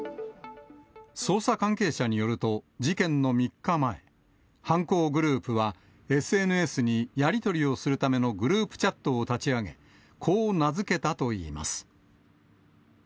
捜査関係者によると、事件の３日前、犯行グループは、ＳＮＳにやり取りをするためのグループチャットを立ち上げ、こう名付けたといいます。